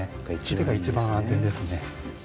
素手が一番安全ですね。